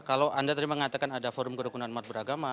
kalau anda tadi mengatakan ada forum kerukunan umat beragama